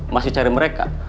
masih cari mereka